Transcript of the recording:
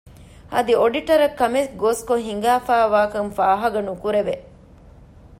އަދި އޮޑިޓަރަށް ކަމެއްގޯސްކޮށް ހިނގާފައިވާކަން ފާހަގަނުކުރެވެ